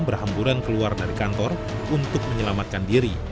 berhamburan keluar dari kantor untuk menyelamatkan diri